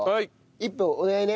１分お願いね。